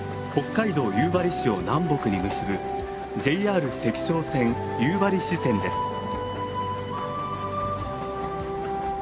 北海道夕張市を南北に結ぶＪＲ石勝線夕張支線です。